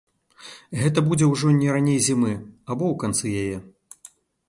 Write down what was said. Гэта будзе ўжо не раней зімы або ў канцы яе.